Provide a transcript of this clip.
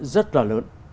rất là lớn